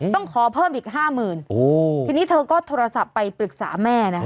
ต้องขอเพิ่มอีกห้าหมื่นทีนี้เธอก็โทรศัพท์ไปปรึกษาแม่นะคะ